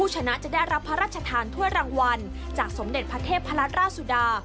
จากสมเด็จประเทศพระราชราชสุดา